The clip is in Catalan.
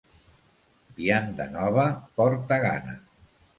Vianda nova porta gana.